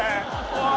おい！